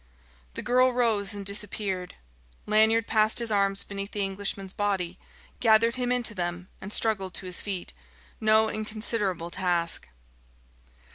The girl rose and disappeared. Lanyard passed his arms beneath the Englishman's body, gathered him into them, and struggled to his feet: no inconsiderable task.